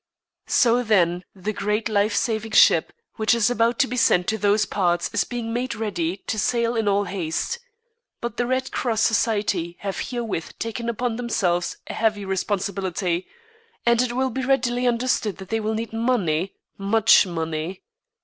So, then, the great life saving ship which is about to be sent to those parts is being made ready to sail in all haste. But the Red Cross Society have herewith taken upon themselves a heavy responsibility, and it will be readily understood that they will need money, much money.